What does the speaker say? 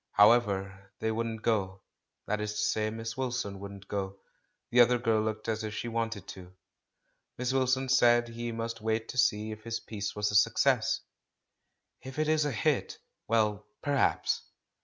How ever, they wouldn't go; that is to say. Miss Wil son wouldn't go; the other girl looked as if she wanted to. Miss Wilson said he must wait to see if his piece was a success. "If it makes a hit, well — perhaps!"